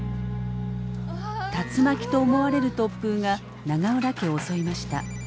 竜巻と思われる突風が永浦家を襲いました。